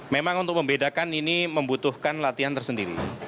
memang untuk membedakan ini membutuhkan latihan tersendiri